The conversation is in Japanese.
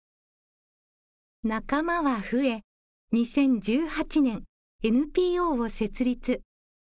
仲間は増え２０１８年ＮＰＯを設立。